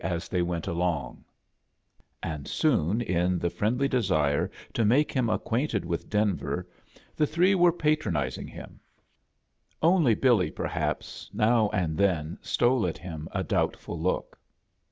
s they went along; and soon, in the friendly desire to make him acquainted with Denver, the three were patronizing A JOURNEY IN SEARCH OF CHRISTMAS him. Only Billy, perliapSf oow and then stole at him a doubtful look.